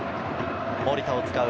守田を使う。